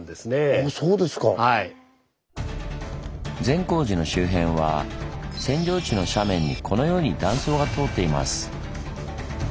善光寺の周辺は扇状地の斜面にこのように断層が通っています。